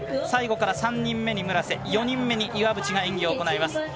最後から３人目に村瀬４人目に岩渕が演技を行います。